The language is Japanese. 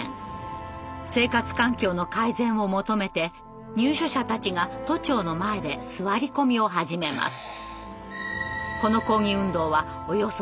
生活環境の改善を求めて入所者たちが都庁の前で座り込みを始めます。